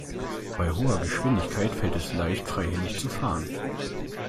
Bei hoher Geschwindigkeit fällt es leicht, freihändig zu fahren.